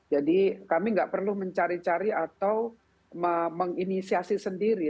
jadi kami nggak perlu mencari cari atau menginisiasi sendiri